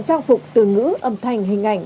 trang phục từ ngữ âm thanh hình ảnh